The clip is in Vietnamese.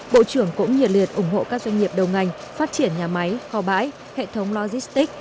bộ trưởng cũng nhiệt liệt ủng hộ các doanh nghiệp đầu ngành phát triển nhà máy kho bãi hệ thống logistic